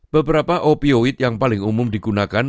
beberapa opioid yang paling umum digunakan